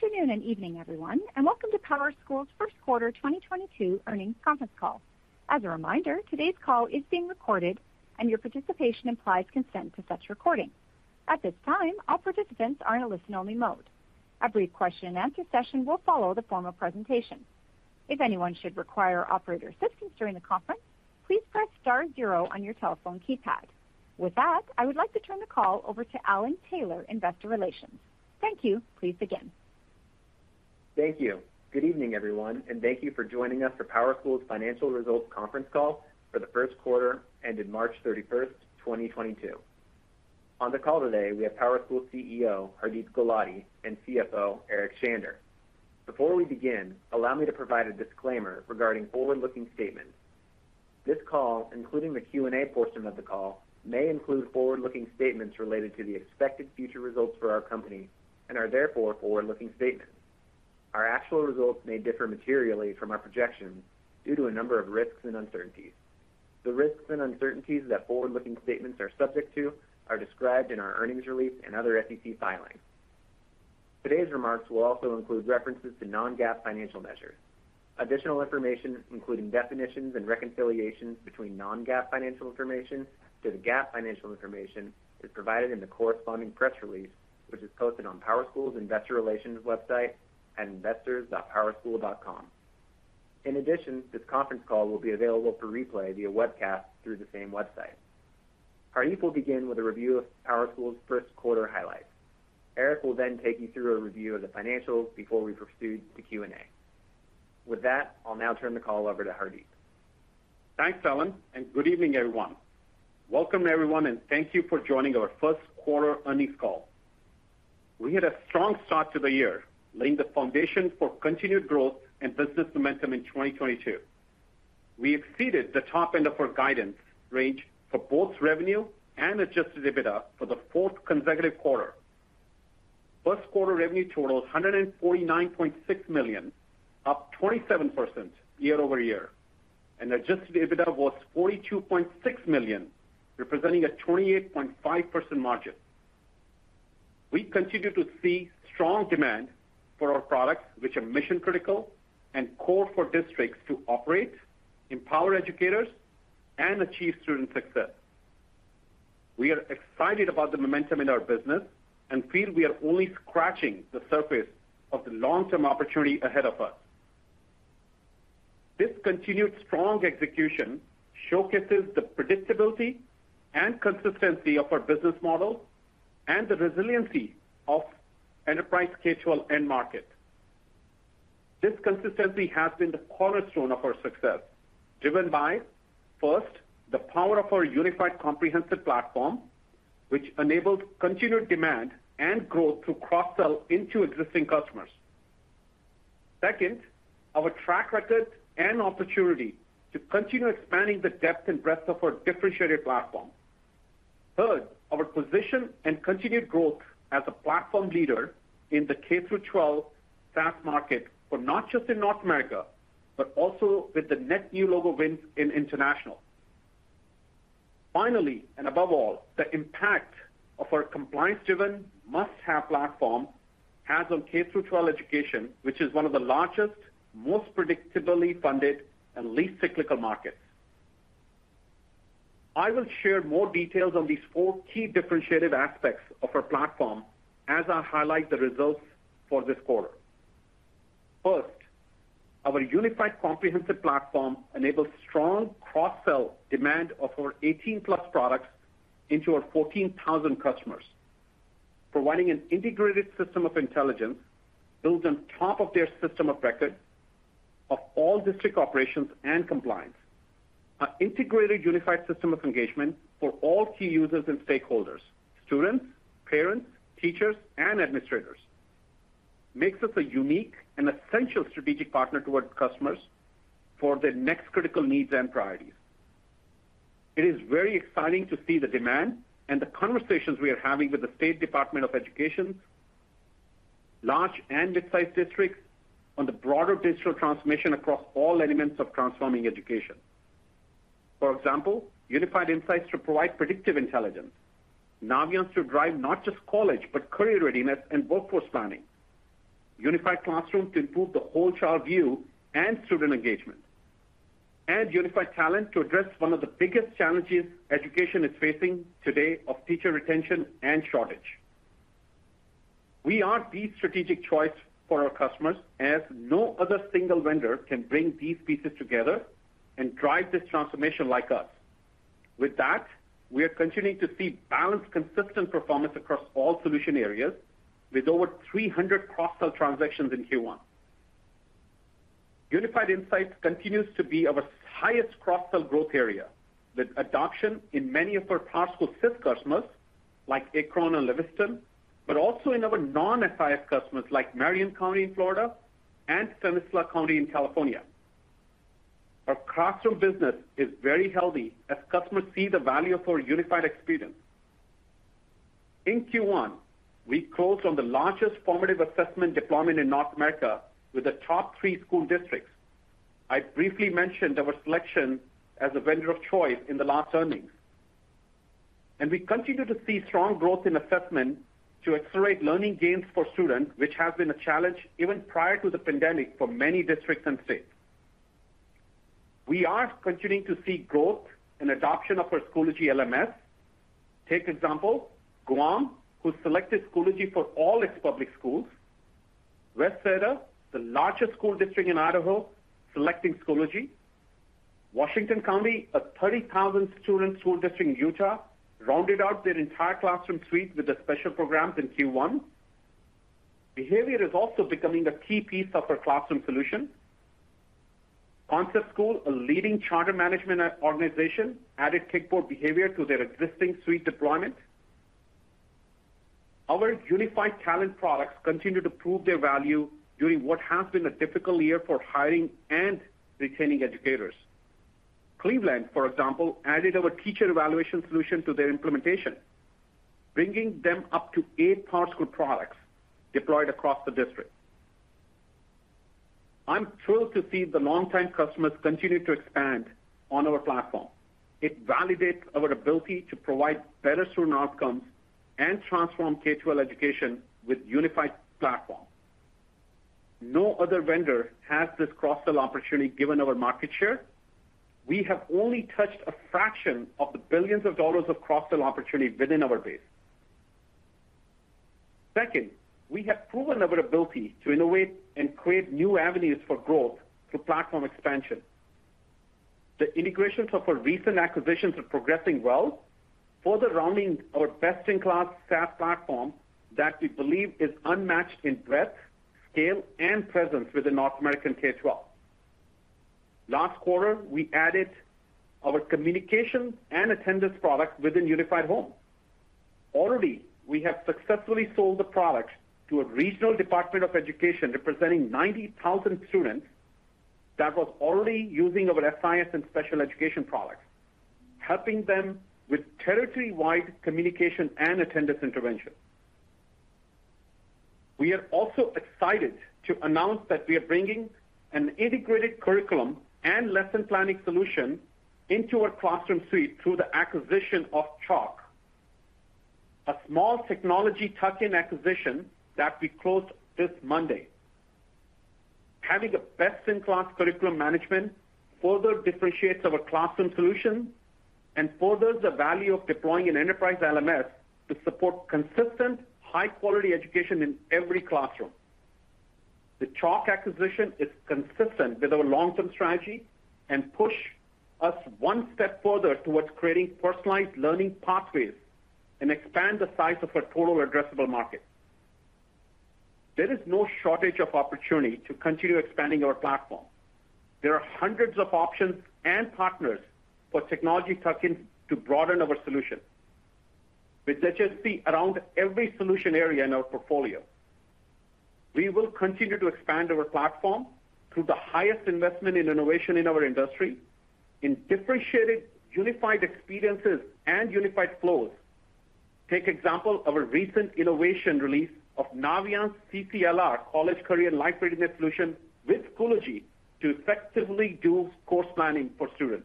Good afternoon and evening, everyone, and welcome to PowerSchool's first quarter 2022 earnings conference call. As a reminder, today's call is being recorded and your participation implies consent to such recording. At this time, all participants are in a listen-only mode. A brief question-and-answer session will follow the formal presentation. If anyone should require operator assistance during the conference, please press star zero on your telephone keypad. With that, I would like to turn the call over to Alan Taylor, Investor Relations. Thank you. Please begin. Thank you. Good evening, everyone, and thank you for joining us for PowerSchool's financial results conference call for the first quarter ended March 31, 2022. On the call today we have PowerSchool CEO, Hardeep Gulati, and CFO, Eric Shander. Before we begin, allow me to provide a disclaimer regarding forward-looking statements. This call, including the Q&A portion of the call, may include forward-looking statements related to the expected future results for our company and are therefore forward-looking statements. Our actual results may differ materially from our projections due to a number of risks and uncertainties. The risks and uncertainties that forward-looking statements are subject to are described in our earnings release and other SEC filings. Today's remarks will also include references to non-GAAP financial measures. Additional information, including definitions and reconciliations between non-GAAP financial information to the GAAP financial information, is provided in the corresponding press release, which is posted on PowerSchool's Investor Relations website at investors.powerschool.com. In addition, this conference call will be available for replay via webcast through the same website. Hardeep will begin with a review of PowerSchool's first quarter highlights. Eric will then take you through a review of the financials before we proceed to Q&A. With that, I'll now turn the call over to Hardeep. Thanks, Alan, and good evening, everyone. Welcome, everyone, and thank you for joining our first quarter earnings call. We had a strong start to the year, laying the foundation for continued growth and business momentum in 2022. We exceeded the top end of our guidance range for both revenue and adjusted EBITDA for the fourth consecutive quarter. First quarter revenue totaled $149.6 million, up 27% year-over-year. Adjusted EBITDA was $42.6 million, representing a 28.5% margin. We continue to see strong demand for our products which are mission critical and core for districts to operate, empower educators and achieve student success. We are excited about the momentum in our business and feel we are only scratching the surface of the long-term opportunity ahead of us. This continued strong execution showcases the predictability and consistency of our business model and the resiliency of enterprise K-12 end market. This consistency has been the cornerstone of our success, driven by, first, the power of our unified comprehensive platform, which enabled continued demand and growth to cross-sell into existing customers. Second, our track record and opportunity to continue expanding the depth and breadth of our differentiated platform. Third, our position and continued growth as a platform leader in the K-12 SaaS market for not just in North America, but also with the net new logo wins in international. Finally, and above all, the impact of our compliance-driven must-have platform has on K-12 education, which is one of the largest, most predictably funded and least cyclical markets. I will share more details on these four key differentiated aspects of our platform as I highlight the results for this quarter. First, our unified comprehensive platform enables strong cross-sell demand of our 18+ products into our 14,000 customers, providing an integrated system of intelligence built on top of their system of record of all district operations and compliance. Our integrated unified system of engagement for all key users and stakeholders, students, parents, teachers and administrators makes us a unique and essential strategic partner to our customers for their next critical needs and priorities. It is very exciting to see the demand and the conversations we are having with the State Department of Education, large and midsize districts on the broader digital transformation across all elements of transforming education. For example, Unified Insights to provide predictive intelligence. Naviance to drive not just college, but career readiness and workforce planning. Unified Classroom to improve the whole child view and student engagement. Unified Talent to address one of the biggest challenges education is facing today of teacher retention and shortage. We are the strategic choice for our customers as no other single vendor can bring these pieces together and drive this transformation like us. With that, we are continuing to see balanced, consistent performance across all solution areas with over 300 cross-sell transactions in Q1. Unified Insights continues to be our highest cross-sell growth area, with adoption in many of our PowerSchool SIS customers like Akron and Livingston, but also in our non-SIS customers like Marion County in Florida and Stanislaus County in California. Our classroom business is very healthy as customers see the value of our unified experience. In Q1, we closed on the largest formative assessment deployment in North America with the top three school districts. I briefly mentioned our selection as a vendor of choice in the last earnings. We continue to see strong growth in assessment to accelerate learning gains for students, which has been a challenge even prior to the pandemic for many districts and states. We are continuing to see growth and adoption of our Schoology LMS. For example, Guam, who selected Schoology for all its public schools. West Ada, the largest school district in Idaho, selecting Schoology. Washington County, a 30,000-student school district in Utah, rounded out their entire classroom suite with the special programs in Q1. Behavior is also becoming a key piece of our classroom solution. Concept Schools, a leading charter management organization, added Kickboard Behavior to their existing suite deployment. Our Unified Talent products continue to prove their value during what has been a difficult year for hiring and retaining educators. Cleveland, for example, added our teacher evaluation solution to their implementation, bringing them up to 8 PowerSchool products deployed across the district. I'm thrilled to see the long-time customers continue to expand on our platform. It validates our ability to provide better student outcomes and transform K-12 education with unified platform. No other vendor has this cross-sell opportunity given our market share. We have only touched a fraction of the billions of dollars of cross-sell opportunity within our base. Second, we have proven our ability to innovate and create new avenues for growth through platform expansion. The integrations of our recent acquisitions are progressing well, further rounding our best-in-class SaaS platform that we believe is unmatched in breadth, scale, and presence within North American K-12. Last quarter, we added our communication and attendance product within Unified Home. Already, we have successfully sold the products to a regional department of education representing 90,000 students that was already using our SIS and special education products, helping them with territory-wide communication and attendance intervention. We are also excited to announce that we are bringing an integrated curriculum and lesson planning solution into our classroom suite through the acquisition of Chalk, a small technology tuck-in acquisition that we closed this Monday. Having a best-in-class curriculum management further differentiates our classroom solution and furthers the value of deploying an enterprise LMS to support consistent, high-quality education in every classroom. The Chalk acquisition is consistent with our long-term strategy and push us one step further towards creating personalized learning pathways and expand the size of our total addressable market. There is no shortage of opportunity to continue expanding our platform. There are hundreds of options and partners for technology tuck-ins to broaden our solution. With HSP around every solution area in our portfolio, we will continue to expand our platform through the highest investment in innovation in our industry in differentiated unified experiences and unified flows. Take example of our recent innovation release of Naviance CCLR, College Career and Life Readiness solution, with Schoology to effectively do course planning for students.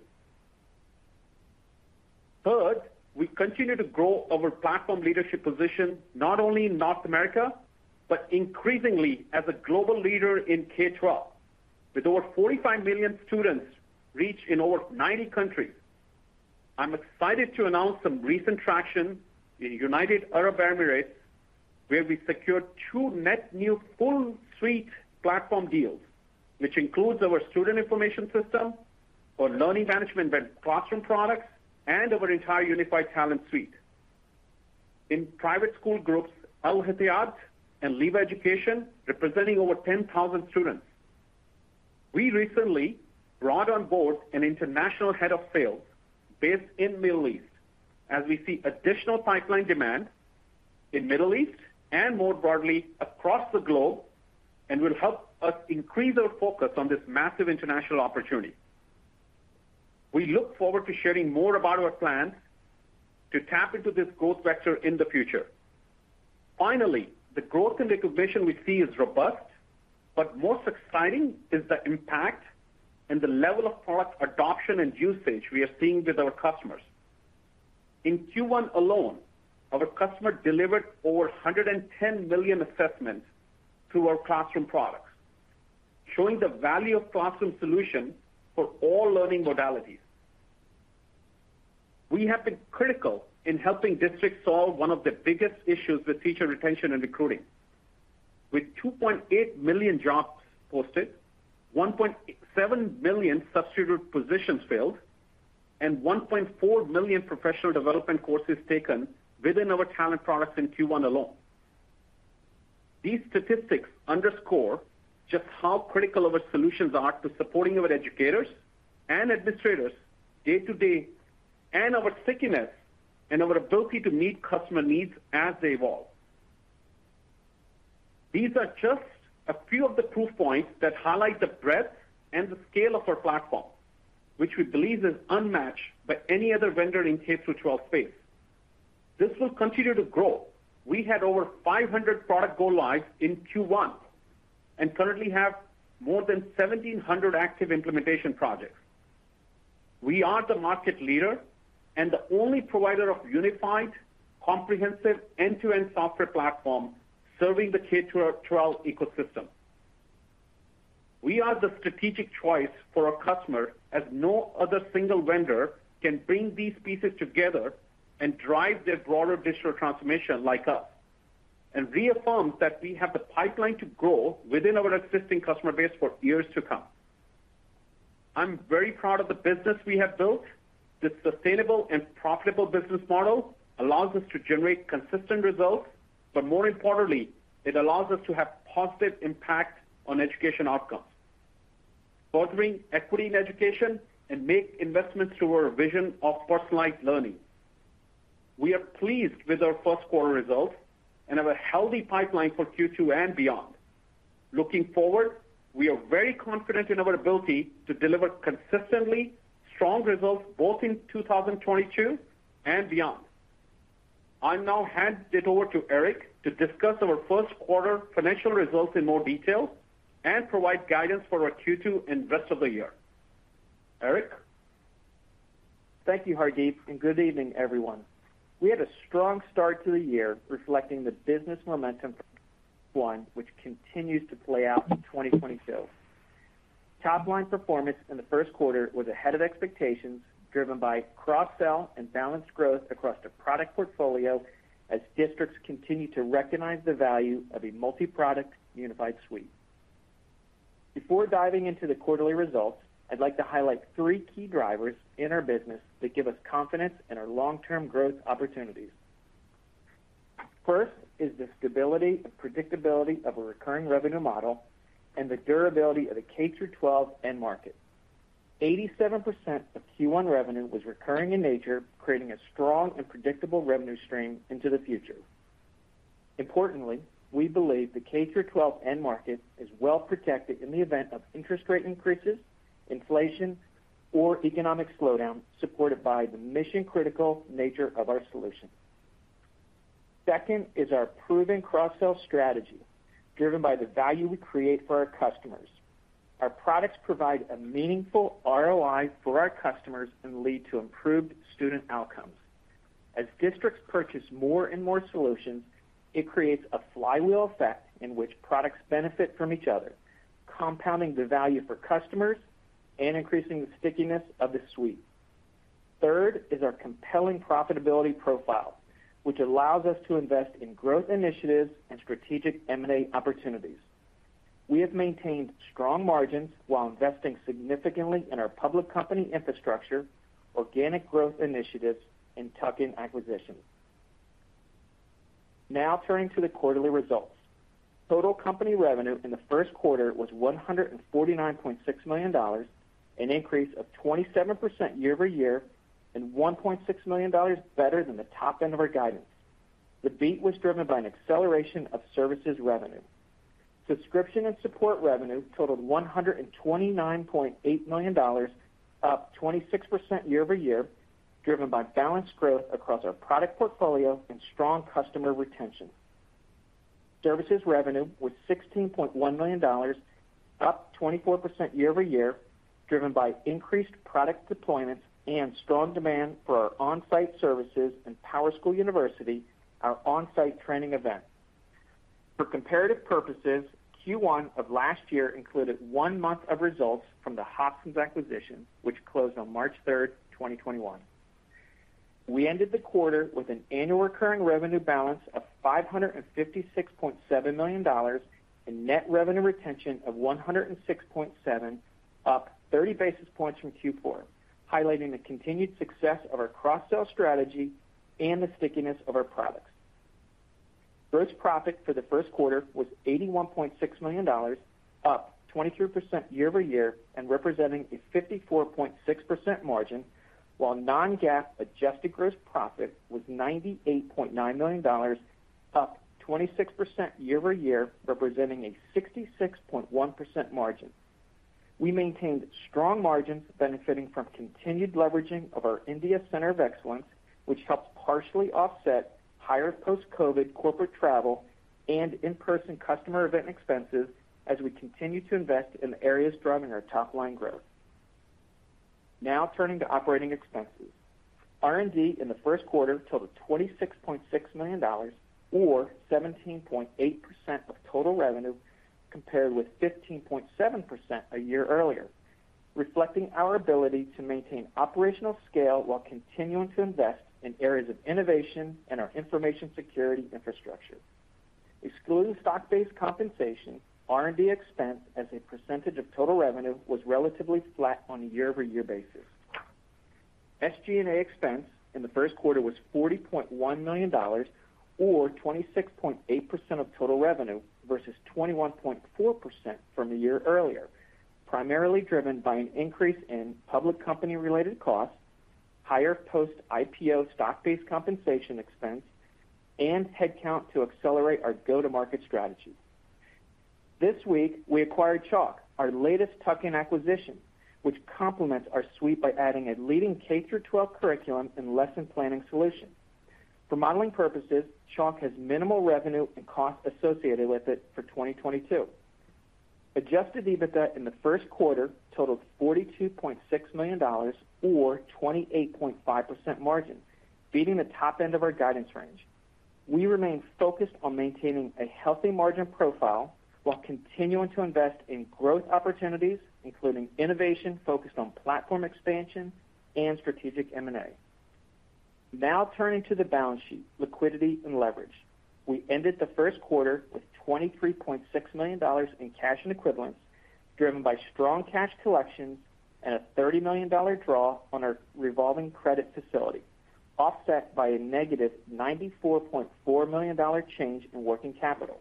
Third, we continue to grow our platform leadership position not only in North America, but increasingly as a global leader in K-12, with over 45 million students reached in over 90 countries. I'm excited to announce some recent traction in United Arab Emirates, where we secured two net new full suite platform deals, which includes our student information system, our learning management and classroom products, and our entire Unified Talent suite. In private school groups, Al-Hayat and Liwa Education, representing over 10,000 students. We recently brought on board an international head of sales based in Middle East as we see additional pipeline demand in Middle East and more broadly across the globe, and will help us increase our focus on this massive international opportunity. We look forward to sharing more about our plans to tap into this growth vector in the future. Finally, the growth and recognition we see is robust, but most exciting is the impact and the level of product adoption and usage we are seeing with our customers. In Q1 alone, our customer delivered over 110 million assessments through our classroom products, showing the value of classroom solution for all learning modalities. We have been critical in helping districts solve one of the biggest issues with teacher retention and recruiting. With 2.8 million jobs posted, 1.7 million substitute positions filled, and 1.4 million professional development courses taken within our talent products in Q1 alone. These statistics underscore just how critical our solutions are to supporting our educators and administrators day to day and our stickiness and our ability to meet customer needs as they evolve. These are just a few of the proof points that highlight the breadth and the scale of our platform, which we believe is unmatched by any other vendor in K-12 space. This will continue to grow. We had over 500 products go live in Q1. Currently have more than 1,700 active implementation projects. We are the market leader and the only provider of unified, comprehensive, end-to-end software platform serving the K-12 entire ecosystem. We are the strategic choice for our customer as no other single vendor can bring these pieces together and drive their broader digital transformation like us, and reaffirms that we have the pipeline to grow within our existing customer base for years to come. I'm very proud of the business we have built. This sustainable and profitable business model allows us to generate consistent results, but more importantly, it allows us to have positive impact on education outcomes, furthering equity in education and make investments through our vision of personalized learning. We are pleased with our first quarter results and have a healthy pipeline for Q2 and beyond. Looking forward, we are very confident in our ability to deliver consistently strong results both in 2022 and beyond. I'll now hand it over to Eric to discuss our first quarter financial results in more detail and provide guidance for our Q2 and rest of the year. Eric? Thank you, Hardeep, and good evening, everyone. We had a strong start to the year reflecting the business momentum from Q1, which continues to play out in 2022. Top line performance in the first quarter was ahead of expectations, driven by cross-sell and balanced growth across the product portfolio as districts continue to recognize the value of a multi-product unified suite. Before diving into the quarterly results, I'd like to highlight three key drivers in our business that give us confidence in our long-term growth opportunities. First is the stability and predictability of a recurring revenue model and the durability of the K-12 end market. 87% of Q1 revenue was recurring in nature, creating a strong and predictable revenue stream into the future. Importantly, we believe the K-12 end market is well protected in the event of interest rate increases, inflation, or economic slowdown supported by the mission-critical nature of our solution. Second is our proven cross-sell strategy driven by the value we create for our customers. Our products provide a meaningful ROI for our customers and lead to improved student outcomes. As districts purchase more and more solutions, it creates a flywheel effect in which products benefit from each other, compounding the value for customers and increasing the stickiness of the suite. Third is our compelling profitability profile, which allows us to invest in growth initiatives and strategic M&A opportunities. We have maintained strong margins while investing significantly in our public company infrastructure, organic growth initiatives, and tuck-in acquisitions. Now turning to the quarterly results. Total company revenue in the first quarter was $149.6 million, an increase of 27% year-over-year and $1.6 million better than the top end of our guidance. The beat was driven by an acceleration of services revenue. Subscription and support revenue totaled $129.8 million, up 26% year-over-year, driven by balanced growth across our product portfolio and strong customer retention. Services revenue was $16.1 million, up 24% year-over-year, driven by increased product deployments and strong demand for our on-site services and PowerSchool University, our on-site training event. For comparative purposes, Q1 of last year included one month of results from the Hoonuit acquisition, which closed on March 3, 2021. We ended the quarter with an annual recurring revenue balance of $556.7 million and net revenue retention of $106.7 million, up 30 basis points from Q4, highlighting the continued success of our cross-sell strategy and the stickiness of our products. Gross profit for the first quarter was $81.6 million, up 23% year-over-year and representing a 54.6% margin, while non-GAAP adjusted gross profit was $98.9 million, up 26% year-over-year, representing a 66.1% margin. We maintained strong margins benefiting from continued leveraging of our India Center of Excellence, which helped partially offset higher post-COVID corporate travel and in-person customer event expenses as we continue to invest in areas driving our top line growth. Now turning to operating expenses. R&D in the first quarter totaled $26.6 million or 17.8% of total revenue compared with 15.7% a year earlier, reflecting our ability to maintain operational scale while continuing to invest in areas of innovation and our information security infrastructure. Excluding stock-based compensation, R&D expense as a percentage of total revenue was relatively flat on a year-over-year basis. SG&A expense in the first quarter was $40.1 million or 26.8% of total revenue versus 21.4% from a year earlier, primarily driven by an increase in public company-related costs, higher post-IPO stock-based compensation expense, and headcount to accelerate our go-to-market strategy. This week, we acquired Chalk.com, our latest tuck-in acquisition, which complements our suite by adding a leading K through twelve curriculum and lesson planning solution. For modeling purposes, Chalk.com has minimal revenue and cost associated with it for 2022. Adjusted EBITDA in the first quarter totaled $42.6 million or 28.5% margin, beating the top end of our guidance range. We remain focused on maintaining a healthy margin profile while continuing to invest in growth opportunities, including innovation focused on platform expansion and strategic M&A. Now turning to the balance sheet, liquidity and leverage. We ended the first quarter with $23.6 million in cash and equivalents, driven by strong cash collections and a $30 million draw on our revolving credit facility, offset by a negative $94.4 million change in working capital.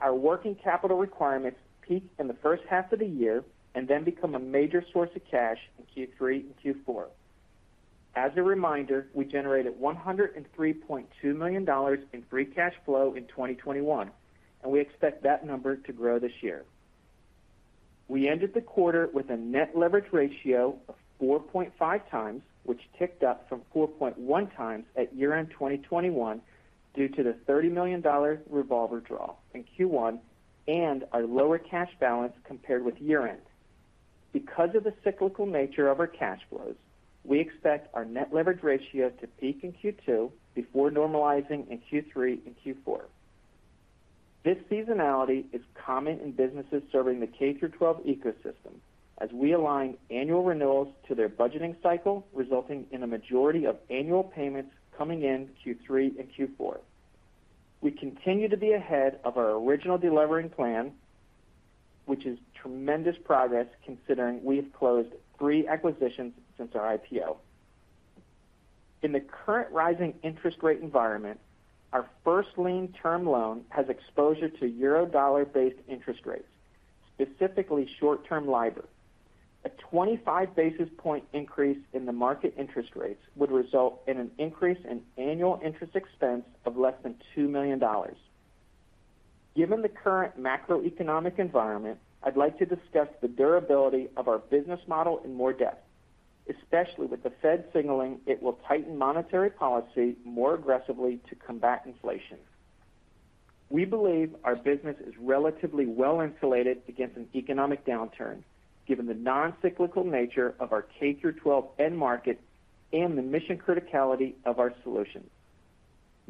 Our working capital requirements peaked in the first half of the year and then become a major source of cash in Q3 and Q4. As a reminder, we generated $103.2 million in free cash flow in 2021, and we expect that number to grow this year. We ended the quarter with a net leverage ratio of 4.5x, which ticked up from 4.1x at year-end 2021 due to the $30 million revolver draw in Q1 and our lower cash balance compared with year-end. Because of the cyclical nature of our cash flows, we expect our net leverage ratio to peak in Q2 before normalizing in Q3 and Q4. This seasonality is common in businesses serving the K-12 ecosystem as we align annual renewals to their budgeting cycle, resulting in a majority of annual payments coming in Q3 and Q4. We continue to be ahead of our original delevering plan, which is tremendous progress considering we have closed three acquisitions since our IPO. In the current rising interest rate environment, our first lien term loan has exposure to Eurodollar-based interest rates, specifically short-term LIBOR. A 25 basis point increase in the market interest rates would result in an increase in annual interest expense of less than $2 million. Given the current macroeconomic environment, I'd like to discuss the durability of our business model in more depth, especially with the Fed signaling it will tighten monetary policy more aggressively to combat inflation. We believe our business is relatively well insulated against an economic downturn, given the non-cyclical nature of our K-12 end market and the mission criticality of our solutions.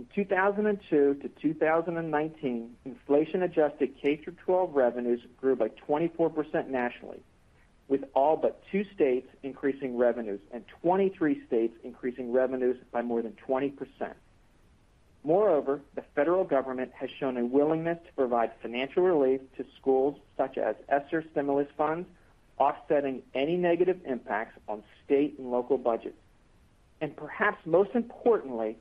In 2002-2019, inflation-adjusted K-12 revenues grew by 24% nationally, with all but two states increasing revenues and 23 states increasing revenues by more than 20%. Moreover, the federal government has shown a willingness to provide financial relief to schools such as ESSER stimulus funds, offsetting any negative impacts on state and local budgets. Perhaps most importantly,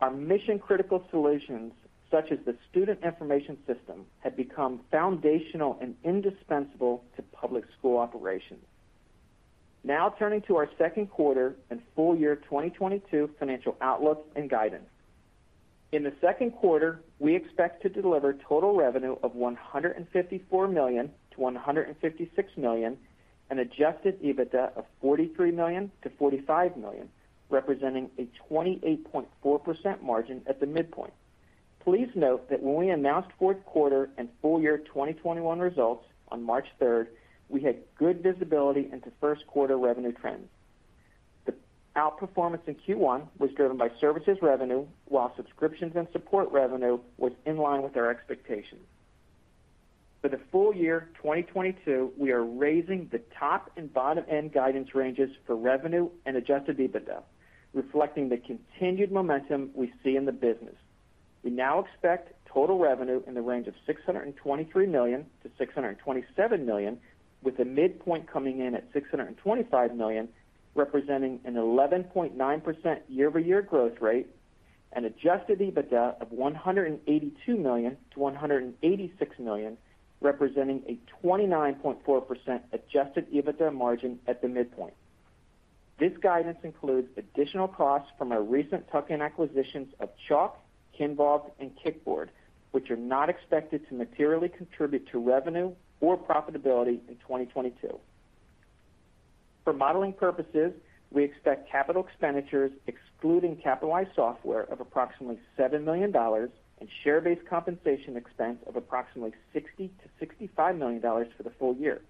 our mission-critical solutions, such as the student information system, have become foundational and indispensable to public school operations. Now turning to our second quarter and full year 2022 financial outlook and guidance. In the second quarter, we expect to deliver total revenue of $154 million-$156 million, an adjusted EBITDA of $43 million-$45 million, representing a 28.4% margin at the midpoint. Please note that when we announced fourth quarter and full year 2021 results on March third, we had good visibility into first quarter revenue trends. The outperformance in Q1 was driven by services revenue, while subscriptions and support revenue was in line with our expectations. For the full year 2022, we are raising the top and bottom end guidance ranges for revenue and adjusted EBITDA, reflecting the continued momentum we see in the business. We now expect total revenue in the range of $623 million-$627 million, with a midpoint coming in at $625 million, representing an 11.9% year-over-year growth rate, an adjusted EBITDA of $182 million-$186 million, representing a 29.4% adjusted EBITDA margin at the midpoint. This guidance includes additional costs from our recent tuck-in acquisitions of Chalk, Kinvolved, and Kickboard, which are not expected to materially contribute to revenue or profitability in 2022. For modeling purposes, we expect capital expenditures excluding capitalized software of approximately $7 million and share-based compensation expense of approximately $60 million-$65 million for the full year.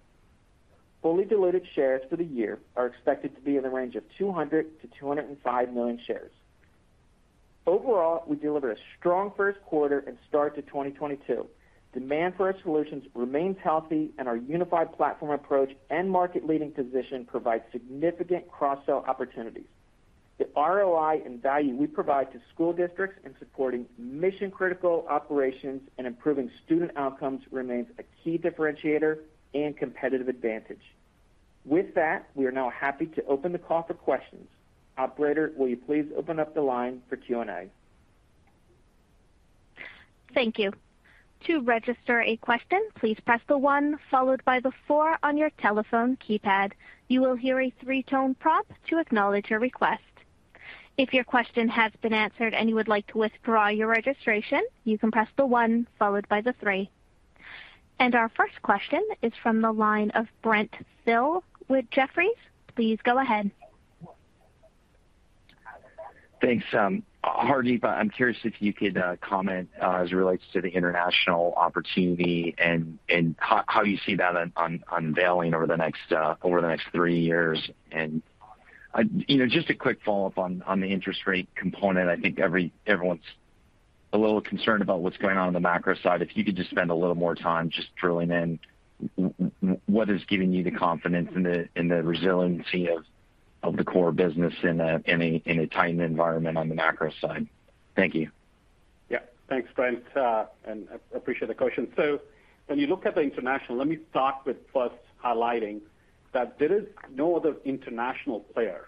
Fully diluted shares for the year are expected to be in the range of 200 million-205 million shares. Overall, we deliver a strong first quarter and start to 2022. Demand for our solutions remains healthy and our unified platform approach and market-leading position provide significant cross-sell opportunities. The ROI and value we provide to school districts in supporting mission-critical operations and improving student outcomes remains a key differentiator and competitive advantage. With that, we are now happy to open the call for questions. Operator, will you please open up the line for Q&A? Thank you. To register a question, please press the one followed by the four on your telephone keypad. You will hear a 3-tone prompt to acknowledge your request. If your question has been answered and you would like to withdraw your registration, you can press the one followed by the three. Our first question is from the line of Brent Thill with Jefferies. Please go ahead. Thanks, Hardeep, I'm curious if you could comment as it relates to the international opportunity and how you see that unveiling over the next three years. You know, just a quick follow-up on the interest rate component. I think everyone's a little concerned about what's going on in the macro side. If you could just spend a little more time just drilling in what is giving you the confidence in the resiliency of the core business in a tightened environment on the macro side. Thank you. Yeah. Thanks, Brent. And I appreciate the question. When you look at the international, let me start with first highlighting that there is no other international player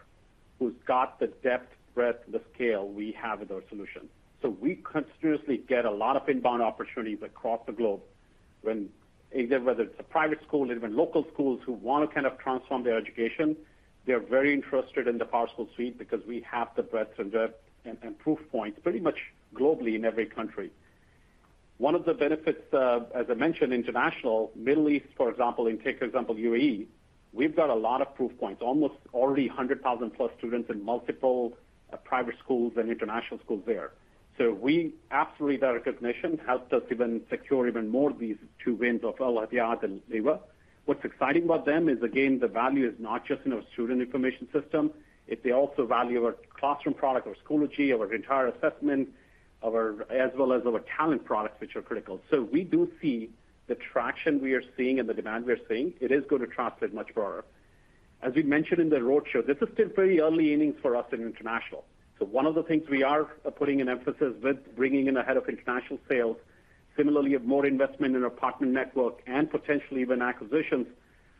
who's got the depth, breadth, the scale we have with our solution. We continuously get a lot of inbound opportunities across the globe when again, whether it's a private school and even local schools who wanna kind of transform their education, they're very interested in the PowerSchool suite because we have the breadth and depth and proof points pretty much globally in every country. One of the benefits, as I mentioned, international, Middle East, for example, and take example, UAE, we've got a lot of proof points. Almost already 100,000+ students in multiple private schools and international schools there. We absolutely, that recognition helped us even secure even more of these two wins of Al-Hayat and Liwa. What's exciting about them is, again, the value is not just in our student information system, they also value our classroom product, our Schoology, our entire assessment, as well as our talent products, which are critical. We do see the traction we are seeing and the demand we are seeing, it is gonna translate much broader. As we mentioned in the roadshow, this is still very early innings for us in international. One of the things we are putting an emphasis with bringing in a head of international sales, similarly, have more investment in our partner network and potentially even acquisitions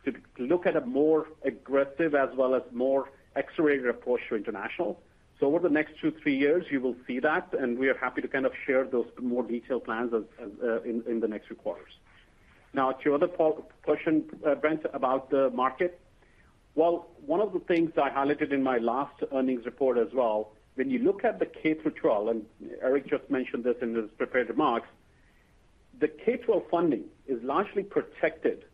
to look at a more aggressive as well as more accelerated approach to international. Over the nexttwo to three years, you will see that, and we are happy to kind of share those more detailed plans as in the next few quarters. Now to your other question, Brent, about the market. Well, one of the things I highlighted in my last earnings report as well, when you look at the K-12, and Eric just mentioned this in his prepared remarks, the K-12 funding is largely protected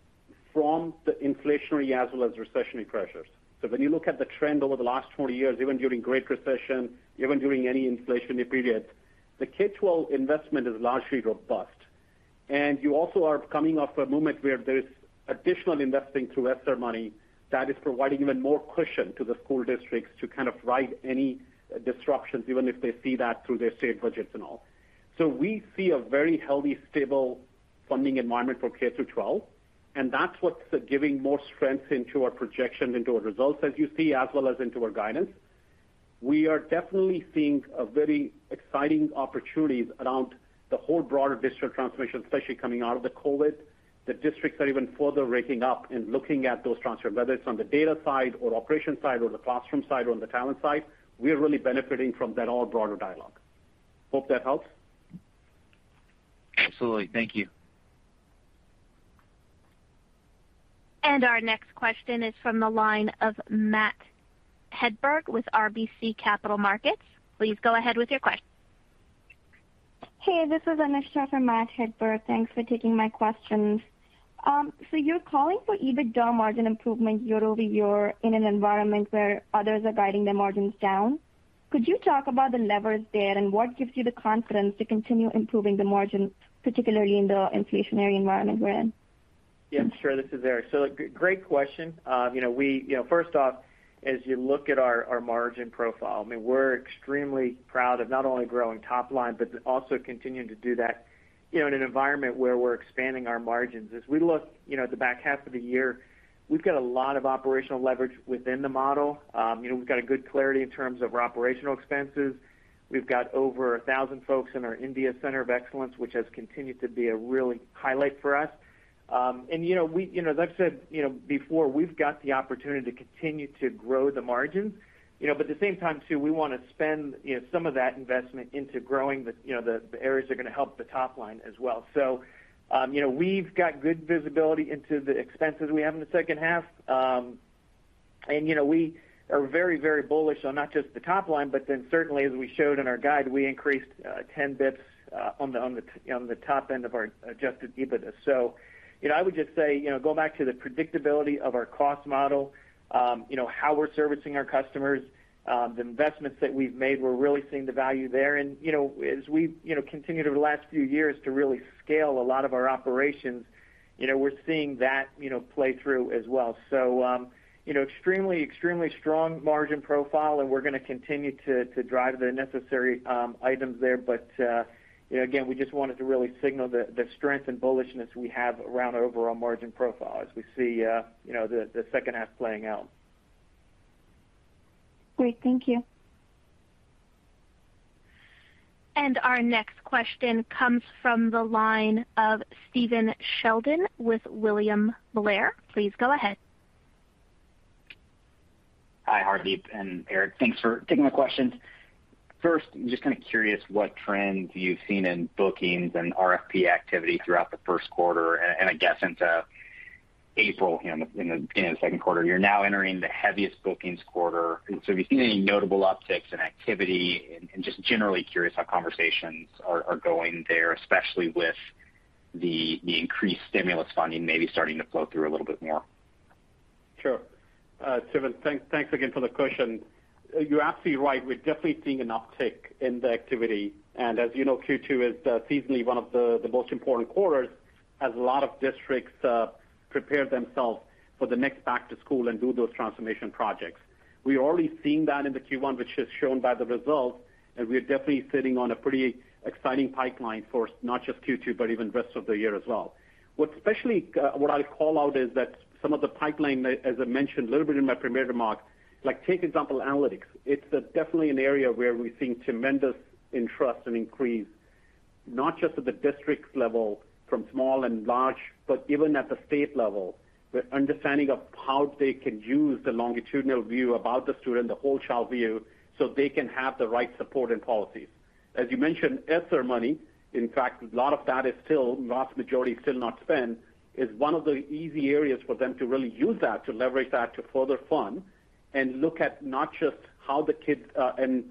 from the inflationary as well as recessionary pressures. When you look at the trend over the last 20 years, even during Great Recession, even during any inflationary period, the K-12 investment is largely robust. You also are coming off a moment where there's additional investing through ESSER money that is providing even more cushion to the school districts to kind of ride any disruptions, even if they see that through their state budgets and all. We see a very healthy, stable funding environment for K-12, and that's what's giving more strength into our projection, into our results as you see, as well as into our guidance. We are definitely seeing a very exciting opportunities around the whole broader district transformation, especially coming out of the COVID. The districts are even further waking up and looking at those transformations, whether it's on the data side or operation side or the classroom side or on the talent side. We are really benefiting from that all broader dialogue. Hope that helps. Absolutely. Thank you. Our next question is from the line of Matt Hedberg with RBC Capital Markets. Please go ahead with your question. Hey, this is Anusha for Matt Hedberg. Thanks for taking my questions. You're calling for EBITDA margin improvement year-over-year in an environment where others are guiding their margins down. Could you talk about the levers there and what gives you the confidence to continue improving the margin, particularly in the inflationary environment we're in? Yeah, sure. This is Eric. Great question. You know, first off, as you look at our margin profile, I mean, we're extremely proud of not only growing top line, but also continuing to do that, you know, in an environment where we're expanding our margins. As we look, you know, at the back half of the year, we've got a lot of operational leverage within the model. You know, we've got good clarity in terms of our operational expenses. We've got over 1,000 folks in our India Center of Excellence, which has continued to be a real highlight for us. You know, as I've said, you know, before, we've got the opportunity to continue to grow the margins, you know, but at the same time too, we wanna spend, you know, some of that investment into growing the, you know, the areas that are gonna help the top line as well. We've got good visibility into the expenses we have in the second half. You know, we are very, very bullish on not just the top line, but then certainly as we showed in our guide, we increased 10 bps on the top end of our adjusted EBITDA. You know, I would just say, you know, go back to the predictability of our cost model, you know, how we're servicing our customers, the investments that we've made. We're really seeing the value there. You know, as we, you know, continue over the last few years to really scale a lot of our operations, you know, we're seeing that, you know, play through as well. You know, extremely strong margin profile and we're gonna continue to drive the necessary items there. You know, again, we just wanted to really signal the strength and bullishness we have around our overall margin profile as we see, you know, the second half playing out. Great. Thank you. Our next question comes from the line of Stephen Sheldon with William Blair. Please go ahead. Hi, Hardeep and Eric. Thanks for taking my questions. First, I'm just kinda curious what trends you've seen in bookings and RFP activity throughout the first quarter and I guess into... April, you know, in the second quarter. You're now entering the heaviest bookings quarter. Have you seen any notable upticks in activity? Just generally curious how conversations are going there, especially with the increased stimulus funding maybe starting to flow through a little bit more. Sure. Stephen, thanks again for the question. You're absolutely right. We're definitely seeing an uptick in the activity. As you know, Q2 is seasonally one of the most important quarters as a lot of districts prepare themselves for the next back to school and do those transformation projects. We're already seeing that in the Q1, which is shown by the results, and we are definitely sitting on a pretty exciting pipeline for not just Q2, but even rest of the year as well. What I'll call out is that some of the pipeline, as I mentioned a little bit in my prepared remarks, like take example analytics. It's definitely an area where we're seeing tremendous interest and increase, not just at the district level from small and large, but even at the state level, the understanding of how they can use the longitudinal view about the student, the whole child view, so they can have the right support and policies. As you mentioned, ESSER money, in fact, a lot of that is still, vast majority is still not spent, is one of the easy areas for them to really use that, to leverage that to further fund and look at not just how the kids and,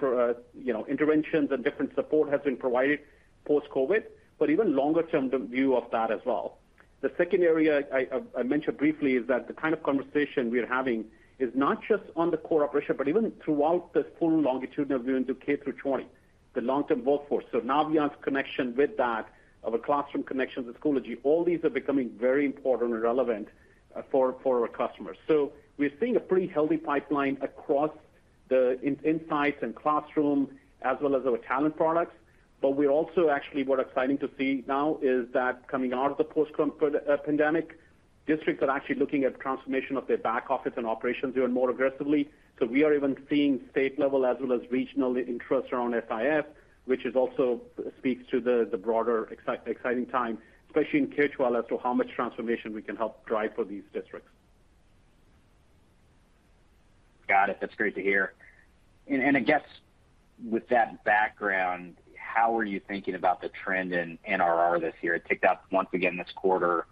you know, interventions and different support has been provided post-COVID, but even longer term the view of that as well. The second area I mentioned briefly is that the kind of conversation we are having is not just on the core operation, but even throughout this full longitudinal view into K-20, the long-term workforce. Naviance connection with that of a classroom connection with Schoology, all these are becoming very important and relevant, for our customers. We're seeing a pretty healthy pipeline across the Unified Insights and classroom as well as our talent products. We're also actually what's exciting to see now is that coming out of the post-pandemic, districts are actually looking at transformation of their back office and operations even more aggressively. We are even seeing state level as well as regional interest around SIS, which also speaks to the broader exciting time, especially in K-12 as to how much transformation we can help drive for these districts. Got it. That's great to hear. I guess with that background, how are you thinking about the trend in NRR this year? It ticked up once again this quarter.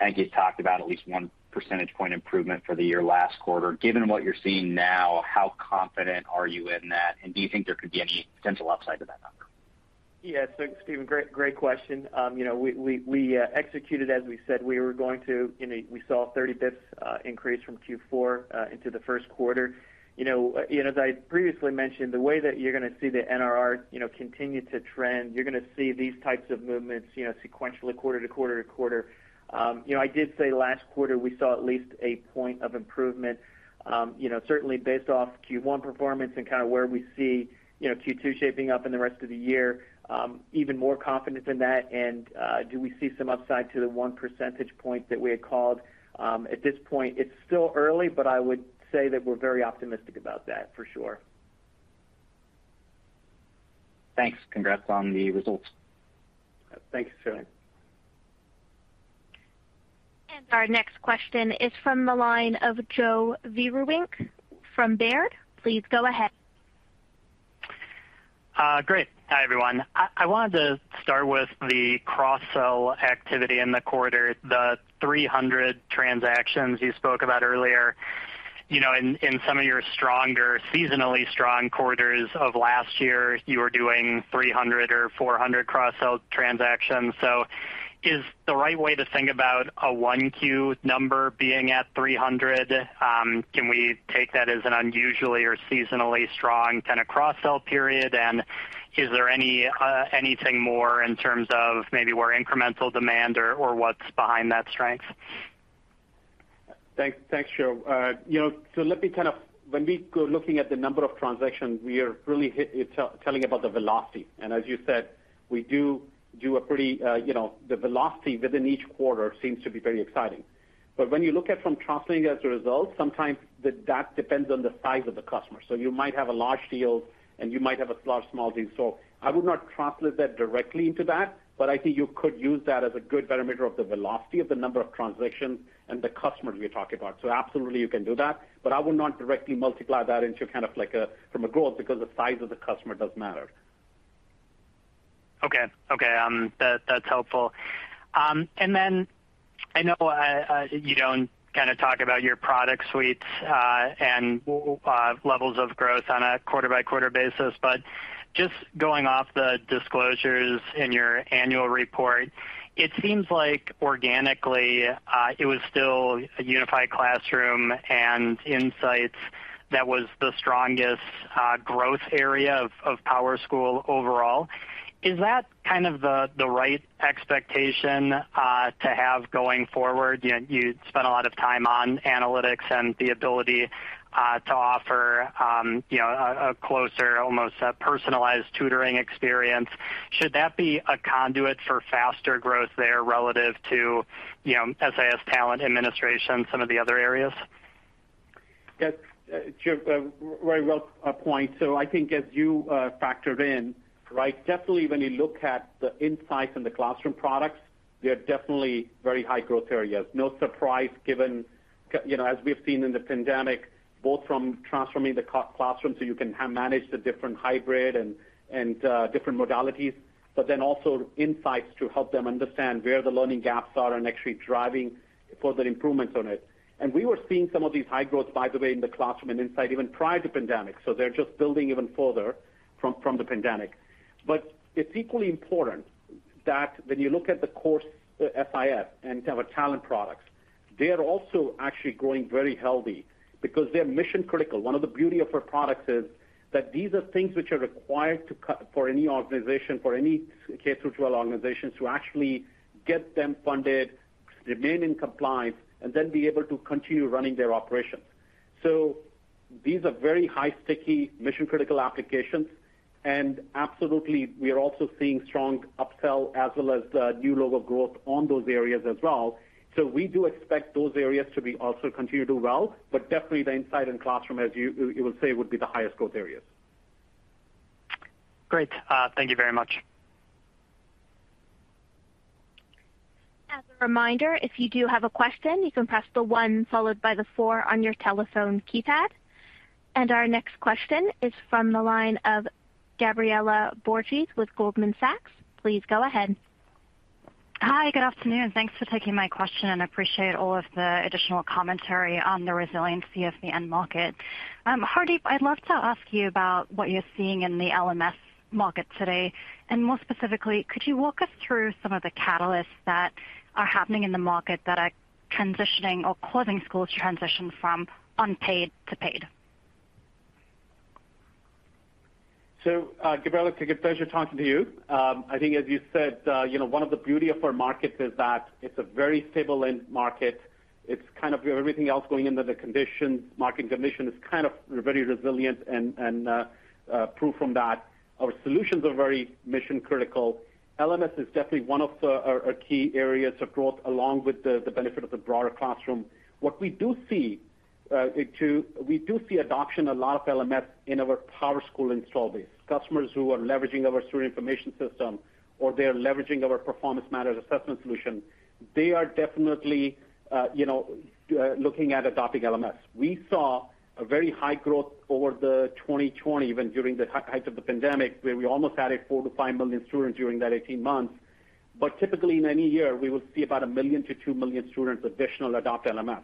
I think you talked about at least one percentage point improvement for the year last quarter. Given what you're seeing now, how confident are you in that, and do you think there could be any potential upside to that number? Stephen, great question. We executed as we said we were going to. You know, we saw 30 basis points increase from Q4 into the first quarter. You know, as I previously mentioned, the way that you're gonna see the NRR continue to trend, you're gonna see these types of movements sequentially quarter to quarter to quarter. You know, I did say last quarter we saw at least a point of improvement. You know, certainly based off Q1 performance and kinda where we see Q2 shaping up in the rest of the year, even more confident than that. Do we see some upside to the one percentage point that we had called? At this point it's still early, but I would say that we're very optimistic about that for sure. Thanks. Congrats on the results. Thanks, Stephen. Our next question is from the line of Joe Vruwink from Baird. Please go ahead. Great. Hi, everyone. I wanted to start with the cross-sell activity in the quarter, the 300 transactions you spoke about earlier. You know, in some of your stronger, seasonally strong quarters of last year, you were doing 300 or 400 cross-sell transactions. Is the right way to think about a 1Q number being at 300? Can we take that as an unusually or seasonally strong kind of cross-sell period? Is there anything more in terms of maybe where incremental demand or what's behind that strength? Thanks. Thanks, Joe. When we go looking at the number of transactions, we are really, it's telling about the velocity. As you said, we do a pretty, you know, the velocity within each quarter seems to be very exciting. When you look at translating as a result, sometimes that depends on the size of the customer. You might have a large deal and you might have a lot of small deals. I would not translate that directly into that, but I think you could use that as a good parameter of the velocity of the number of transactions and the customers we are talking about. Absolutely you can do that, but I would not directly multiply that into kind of like a, from a growth because the size of the customer does matter. Okay. That's helpful. I know you don't kinda talk about your product suites and levels of growth on a quarter-by-quarter basis, but just going off the disclosures in your annual report, it seems like organically it was still Unified Classroom and Insights that was the strongest growth area of PowerSchool overall. Is that kind of the right expectation to have going forward? You know, you spent a lot of time on analytics and the ability to offer you know a closer, almost a personalized tutoring experience. Should that be a conduit for faster growth there relative to you know SIS, Talent administration, some of the other areas? Yes. Joe, very well, point. I think as you factored in, right, definitely when you look at the insights and the classroom products, they are definitely very high growth areas. No surprise given you know, as we've seen in the pandemic, both from transforming the classroom so you can manage the different hybrid and different modalities, but then also insights to help them understand where the learning gaps are and actually driving further improvements on it. We were seeing some of these high growths, by the way, in the classroom and insights even prior to pandemic. They're just building even further from the pandemic. It's equally important that when you look at the core SIS and our talent products, they are also actually growing very healthy because they're mission-critical. One of the beauty of our products is that these are things which are required for any organization, for any K-12 organizations to actually get them funded, remain in compliance, and then be able to continue running their operations. These are very high sticky mission-critical applications. Absolutely, we are also seeing strong upsell as well as new logo growth on those areas as well. We do expect those areas to be also continue to do well, but definitely the insight in classroom, as you will say, would be the highest growth areas. Great. Thank you very much. As a reminder, if you do have a question, you can press the one followed by the four on your telephone keypad. Our next question is from the line of Gabriela Borges with Goldman Sachs. Please go ahead. Hi, good afternoon. Thanks for taking my question, and appreciate all of the additional commentary on the resiliency of the end market. Hardeep, I'd love to ask you about what you're seeing in the LMS market today. More specifically, could you walk us through some of the catalysts that are happening in the market that are transitioning or closing schools transition from unpaid to paid? Gabriela, it's a great pleasure talking to you. I think as you said, you know, one of the beauty of our markets is that it's a very stable end market. It's kind of everything else going on in the current market condition is kind of very resilient and proof of that. Our solutions are very mission-critical. LMS is definitely one of our key areas of growth, along with the benefit of the broader classroom. We do see a lot of LMS adoption in our PowerSchool installed base. Customers who are leveraging our student information system or they are leveraging our Performance Matters assessment solution, they are definitely looking at adopting LMS. We saw a very high growth over the 2020, even during the height of the pandemic, where we almost added 4 million-5 million students during that 18 months. Typically in any year, we will see about 1 million-2 million students additional adopt LMS.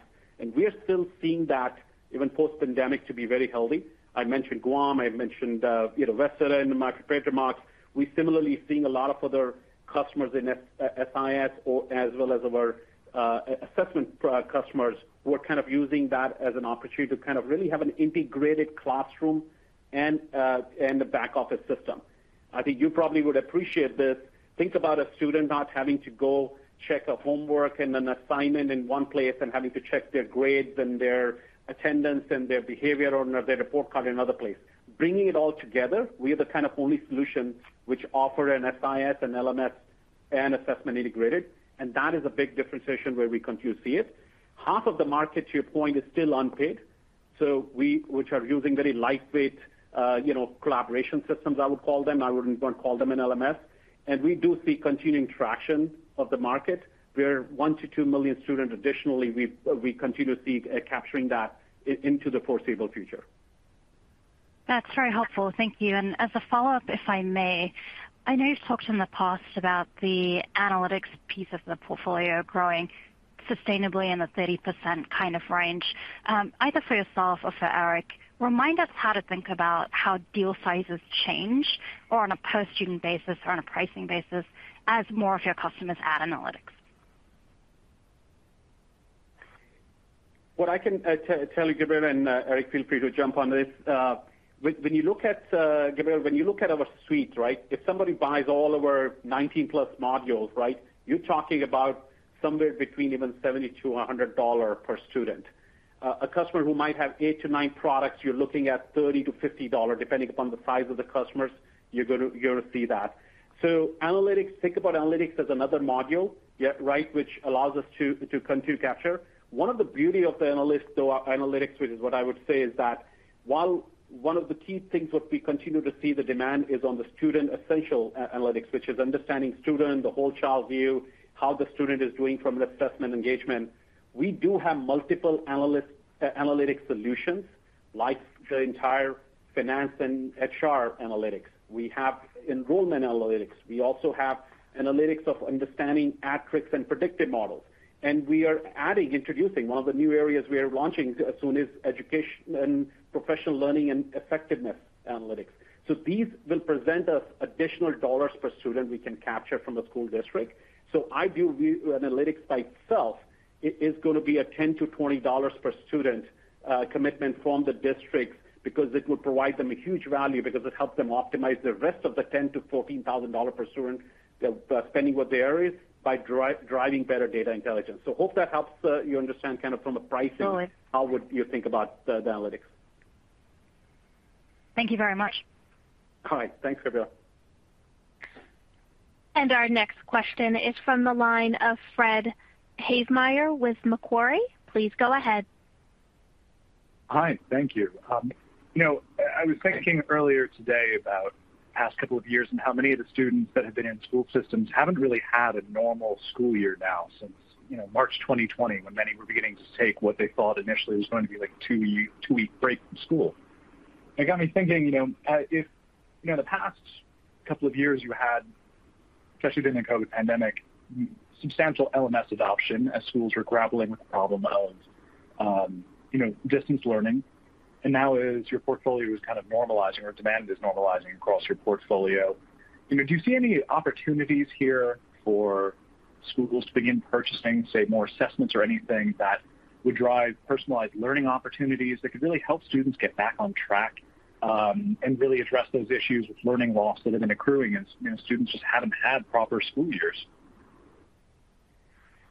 We are still seeing that even post-pandemic to be very healthy. I mentioned Guam, you know, West Ada in my prepared remarks. We similarly seeing a lot of other customers in SIS as well as our assessment product customers who are kind of using that as an opportunity to kind of really have an integrated classroom and a back office system. I think you probably would appreciate this. Think about a student not having to go check a homework and an assignment in one place and having to check their grades and their attendance and their behavior on their report card in another place. Bringing it all together, we are the kind of only solution which offer an SIS, an LMS and assessment integrated, and that is a big differentiation where we continue to see it. Half of the market, to your point, is still untapped, so, which are using very lightweight, you know, collaboration systems, I would call them. I wouldn't gonna call them an LMS. We do see continuing traction of the market, where 1 million-2 million students additionally, we continue to see capturing that into the foreseeable future. That's very helpful. Thank you. As a follow-up, if I may, I know you've talked in the past about the analytics piece of the portfolio growing sustainably in the 30% kind of range. Either for yourself or for Eric, remind us how to think about how deal sizes change or on a per student basis or on a pricing basis as more of your customers add analytics? What I can tell you, Gabriela, and Eric, feel free to jump on this. When you look at our suite, right? If somebody buys all our 19+ modules, right? You're talking about somewhere between even $70-$100 per student. A customer who might have 8-9 products, you're looking at $30-$50 depending upon the size of the customers, you're gonna see that. So analytics, think about analytics as another module, yeah, right, which allows us to capture. One of the beauties of our analytics, which is what I would say, is that while one of the key things which we continue to see the demand is on the student essentials analytics, which is understanding student, the whole child view, how the student is doing from an assessment engagement. We do have multiple analytics solutions, like the entire finance and HR analytics. We have enrollment analytics. We also have analytics of understanding attributes and predictive models. We are adding, introducing, one of the new areas we are launching assessment and professional learning and effectiveness analytics. These will present us additional dollars per student we can capture from the school district. I do analytics by itself is gonna be a $10-$20 per student commitment from the district because it would provide them a huge value because it helps them optimize the rest of the $10,000-$14,000 per student spending, what the average is, by driving better data intelligence. Hope that helps you understand kind of from a pricing- Totally. How would you think about the analytics? Thank you very much. All right. Thanks, Gabriela. Our next question is from the line of Fred Havemeyer with Macquarie. Please go ahead. Hi, thank you. You know, I was thinking earlier today about the past couple of years and how many of the students that have been in school systems haven't really had a normal school year now since, you know, March 2020, when many were beginning to take what they thought initially was going to be like a 2-week break from school. It got me thinking, you know, if, you know, the past couple of years you had, especially during the COVID pandemic, substantial LMS adoption as schools were grappling with the problem of, you know, distance learning. Now as your portfolio is kind of normalizing or demand is normalizing across your portfolio, you know, do you see any opportunities here for schools to begin purchasing, say, more assessments or anything that would drive personalized learning opportunities that could really help students get back on track, and really address those issues with learning loss that have been accruing as, you know, students just haven't had proper school years?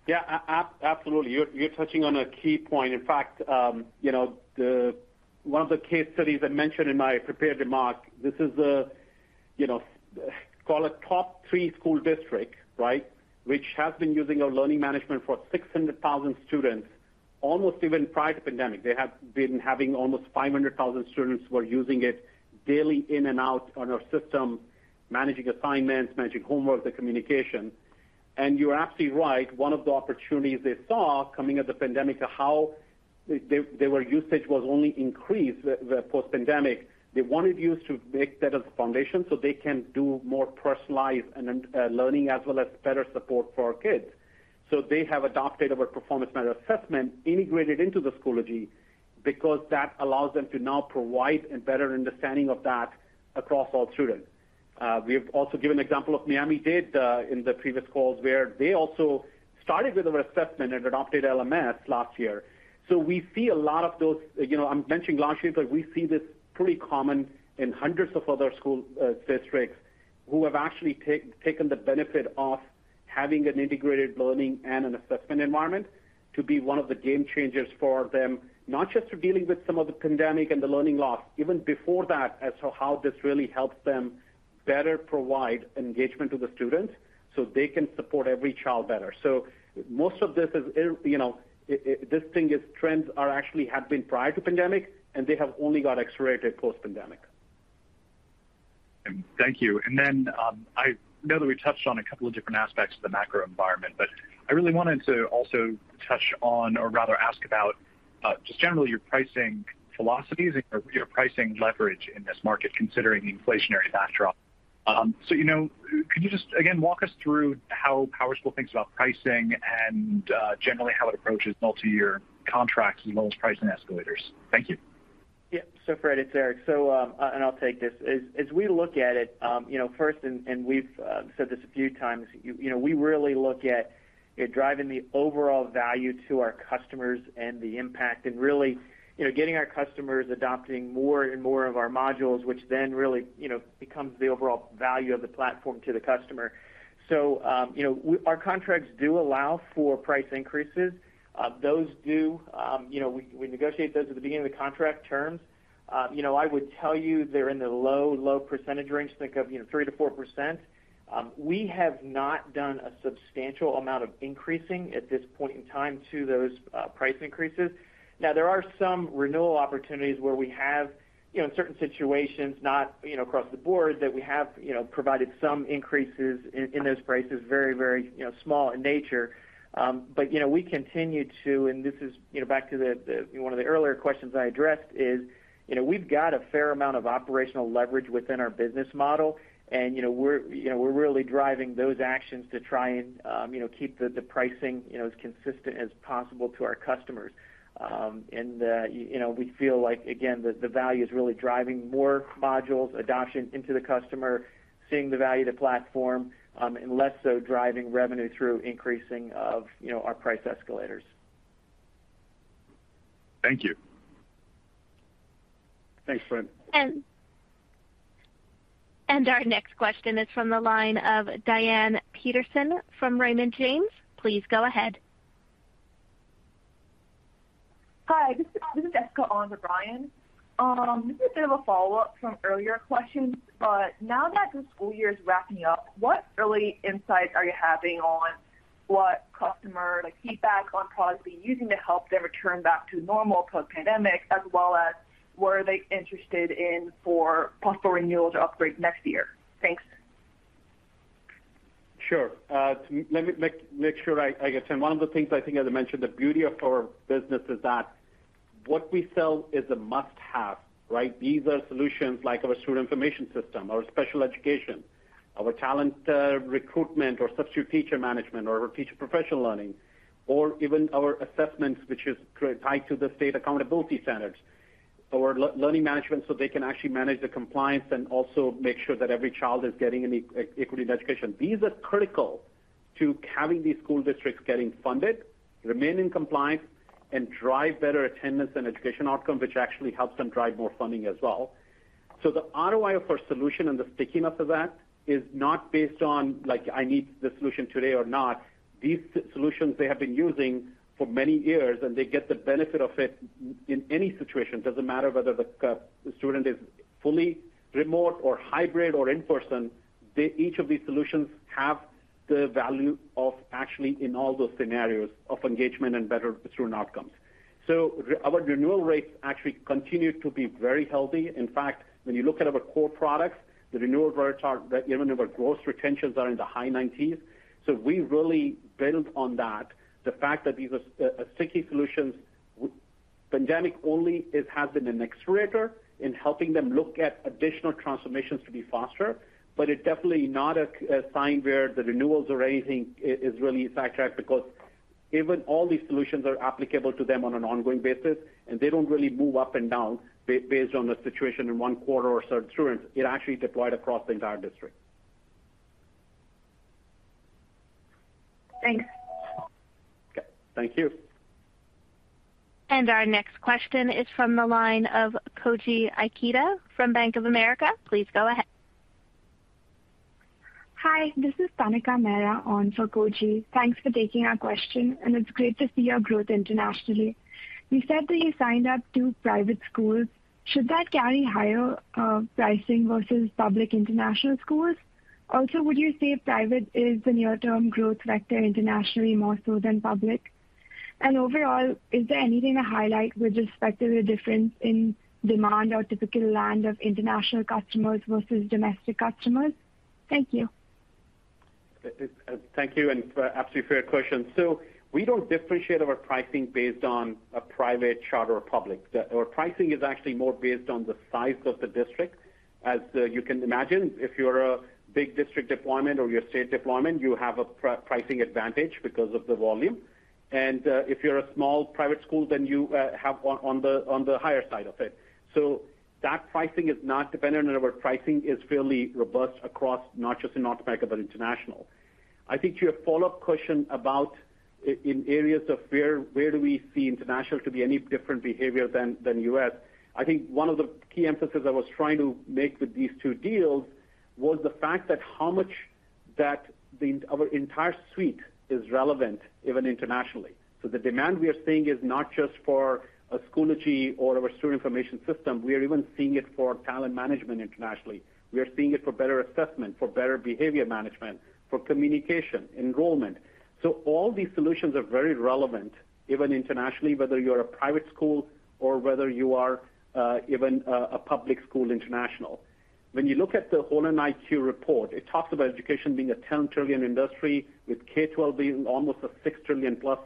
Yeah, absolutely. You're touching on a key point. In fact, you know, one of the case studies I mentioned in my prepared remark, this is a, you know, call it top three school district, right? Which has been using our learning management for 600,000 students, almost even prior to pandemic. They have been having almost 500,000 students who are using it daily in and out on our system, managing assignments, managing homework, the communication. You're absolutely right. One of the opportunities they saw coming out of the pandemic to how they, their usage was only increased the post-pandemic. They wanted us to make that as a foundation so they can do more personalized and learning as well as better support for our kids. They have adopted our Performance Matters assessment integrated into the Schoology because that allows them to now provide a better understanding of that across all students. We have also given an example of Miami-Dade in the previous calls, where they also started with our assessment and adopted LMS last year. We see a lot of those. I'm mentioning large groups, but we see this pretty common in hundreds of other school districts who have actually taken the benefit of having an integrated learning and an assessment environment to be one of the game changers for them, not just for dealing with some of the pandemic and the learning loss, even before that as to how this really helps them better provide engagement to the students so they can support every child better. Most of this is. These trends have actually been prior to pandemic, and they have only got accelerated post-pandemic. Thank you. I know that we've touched on a couple of different aspects of the macro environment, but I really wanted to also touch on or rather ask about, just generally your pricing philosophies and your pricing leverage in this market, considering the inflationary backdrop. You know, could you just again, walk us through how PowerSchool thinks about pricing and, generally how it approaches multi-year contracts as well as pricing escalators? Thank you. Yeah. Fred, it's Eric. And I'll take this. As we look at it, you know, first, and we've said this a few times, you know, we really look at, you know, driving the overall value to our customers and the impact and really, you know, getting our customers adopting more and more of our modules, which then really, you know, becomes the overall value of the platform to the customer. You know, our contracts do allow for price increases. Those do, you know, we negotiate those at the beginning of the contract terms. You know, I would tell you they're in the low percentage range, think of, you know, 3%-4%. We have not done a substantial amount of increasing at this point in time to those price increases. Now, there are some renewal opportunities where we have, you know, in certain situations, not, you know, across the board, that we have, you know, provided some increases in those prices, very small in nature. You know, we continue to, and this is, you know, back to the one of the earlier questions I addressed is, you know, we've got a fair amount of operational leverage within our business model. You know, we're really driving those actions to try and, you know, keep the pricing, you know, as consistent as possible to our customers. You know, we feel like, again, the value is really driving more modules adoption into the customer, seeing the value of the platform, and less so driving revenue through increasing of, you know, our price escalators. Thank you. Thanks, Fred. Our next question is from the line of Brian Peterson from Raymond James. Please go ahead. Hi, this is Esca on the line. This is a bit of a follow-up from earlier questions, but now that the school year is wrapping up, what early insights are you having on what customer, like, feedback on products they're using to help them return back to normal post-pandemic, as well as what are they interested in for possible renewals or upgrades next year? Thanks. Sure. Let me make sure I get to them. One of the things I think, as I mentioned, the beauty of our business is that what we sell is a must-have, right? These are solutions like our student information system, our special education, our talent recruitment or substitute teacher management or our teacher professional learning, or even our assessments, which is tied to the state accountability standards or learning management, so they can actually manage the compliance and also make sure that every child is getting an equitable education. These are critical to having these school districts getting funded, remain in compliance, and drive better attendance and education outcome, which actually helps them drive more funding as well. The ROI of our solution and the stickiness of that is not based on, like, I need the solution today or not. These solutions they have been using for many years, and they get the benefit of it in any situation. Doesn't matter whether the student is fully remote or hybrid or in-person. Each of these solutions have the value of actually in all those scenarios of engagement and better student outcomes. Our renewal rates actually continue to be very healthy. In fact, when you look at our core products, the renewal rates are, even our gross retentions are in the high nineties. We really build on that. The fact that these are sticky solutions. The pandemic only has been an accelerator in helping them look at additional transformations to be faster, but it's definitely not a sign that the renewals or anything is really sidetracked because even all these solutions are applicable to them on an ongoing basis, and they don't really move up and down based on the situation in one quarter or so. They're actually deployed across the entire district. Thanks. Okay. Thank you. Our next question is from the line of Koji Ikeda from Bank of America. Please go ahead. Hi, this is Tanika Mehra on for Koji. Thanks for taking our question, and it's great to see your growth internationally. You said that you signed up two private schools. Should that carry higher pricing versus public international schools? Also, would you say private is the near-term growth vector internationally more so than public? And overall, is there anything to highlight with respect to the difference in demand or typical landscape of international customers versus domestic customers? Thank you. Thank you, absolutely fair question. We don't differentiate our pricing based on a private, charter or public. Our pricing is actually more based on the size of the district. As you can imagine, if you're a big district deployment or you're a state deployment, you have a pricing advantage because of the volume. If you're a small private school, then you have on the higher side of it. That pricing is not dependent. Our pricing is fairly robust across not just in North America, but international. I think to your follow-up question about in areas of where do we see international to be any different behavior than U.S., I think one of the key emphasis I was trying to make with these two deals was the fact that how much that the our entire suite is relevant even internationally. The demand we are seeing is not just for Schoology or our student information system. We are even seeing it for talent management internationally. We are seeing it for better assessment, for better behavior management, for communication, enrollment. All these solutions are very relevant, even internationally, whether you're a private school or whether you are even a public school international. When you look at the HolonIQ report, it talks about education being a $10 trillion industry with K-12 being almost a $6 trillion plus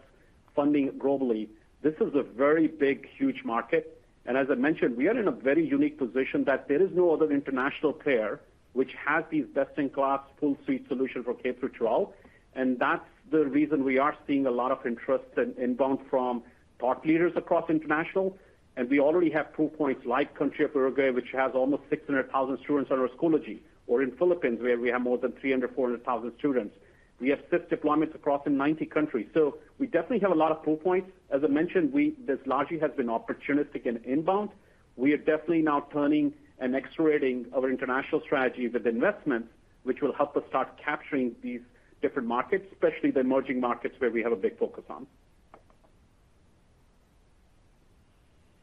funding globally. This is a very big, huge market. As I mentioned, we are in a very unique position that there is no other international player which has these best-in-class full suite solution for K-12, and that's the reason we are seeing a lot of interest inbound from thought leaders across international. We already have proof points like country of Uruguay, which has almost 600,000 students on our Schoology or in Philippines, where we have more than 300,000-400,000 students. We have six deployments across in 90 countries. We definitely have a lot of proof points. As I mentioned, this largely has been opportunistic and inbound. We are definitely now turning and accelerating our international strategy with investments which will help us start capturing these different markets, especially the emerging markets where we have a big focus on.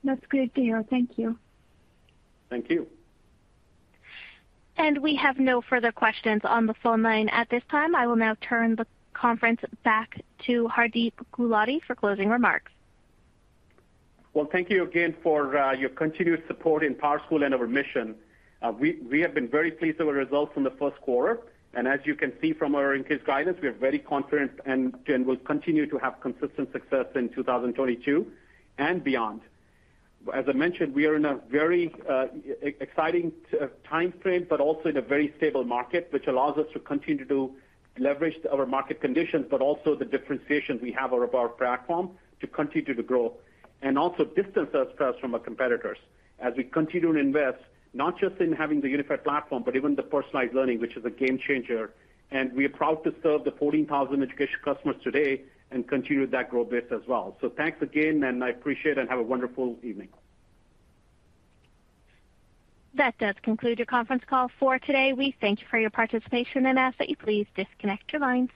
That's great deal. Thank you. Thank you. We have no further questions on the phone line at this time. I will now turn the conference back to Hardeep Gulati for closing remarks. Well, thank you again for your continued support in PowerSchool and our mission. We have been very pleased with our results in the first quarter. As you can see from our increased guidance, we are very confident and will continue to have consistent success in 2022 and beyond. As I mentioned, we are in a very exciting time frame, but also in a very stable market, which allows us to continue to leverage our market conditions, but also the differentiation we have of our platform to continue to grow and also distance us from our competitors as we continue to invest, not just in having the unified platform, but even the personalized learning, which is a game changer. We are proud to serve the 14,000 education customers today and continue that growth base as well. Thanks again, and I appreciate and have a wonderful evening. That does conclude your conference call for today. We thank you for your participation and ask that you please disconnect your lines.